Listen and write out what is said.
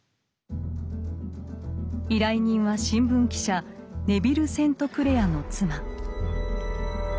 依頼人は新聞記者ネヴィル・セントクレアの妻。